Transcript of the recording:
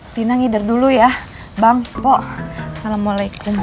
tina ngider dulu ya bang pok assalamualaikum